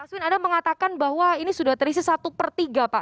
maswin anda mengatakan bahwa ini sudah terisi satu per tiga pak